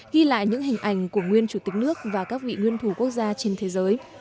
ghi lại những hình ảnh của nguyên chủ tịch nước và các vị nguyên thủ quốc gia trên thế giới